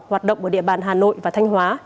hoạt động ở địa bàn hà nội và thanh hóa